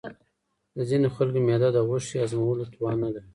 د ځینې خلکو معده د غوښې هضمولو توان نه لري.